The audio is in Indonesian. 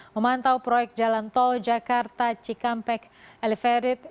memantau proyek jalan tol jakarta cikampek elevated